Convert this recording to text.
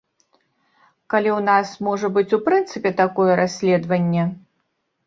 Калі ў нас можа быць у прынцыпе такое расследаванне.